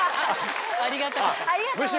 ありがたかった。